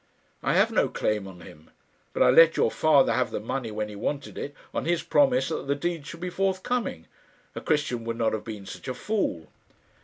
I have no claim on him. But I let your father have the money when he wanted it, on his promise that the deeds should be forthcoming. A Christian would not have been such a fool."